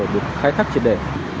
được khai thác triệt đề